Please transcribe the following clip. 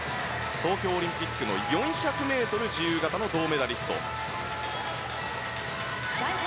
東京オリンピック４００ｍ自由形の銅メダリスト。